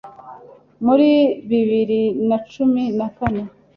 muri bibiri na cumi na kane